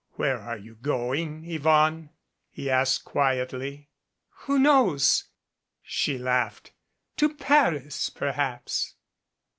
"Where are you going, Yvonne?" he asked quietly. "Who knows?" she laughed. "To Paris, perhaps."